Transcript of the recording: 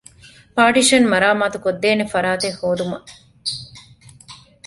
ޕާޓިޝަން މަރާމާތުކޮށްދޭނެ ފަރާތެއް ހޯދުމަށް